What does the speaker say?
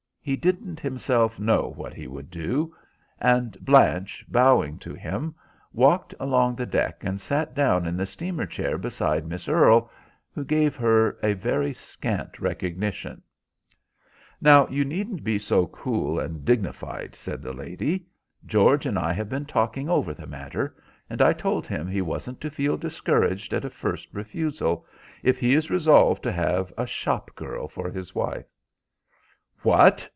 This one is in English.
He didn't himself know what he would do; and Blanche, bowing to him, walked along the deck, and sat down in the steamer chair beside Miss Earle, who gave her a very scant recognition. "Now, you needn't be so cool and dignified," said the lady. "George and I have been talking over the matter, and I told him he wasn't to feel discouraged at a first refusal, if he is resolved to have a shop girl for his wife." "What!